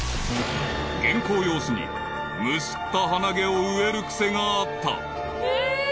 ［原稿用紙にむしった鼻毛を植える癖があった］